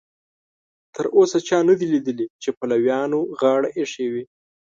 تر اوسه چا نه دي لیدلي چې پلویانو غاړه ایښې وي.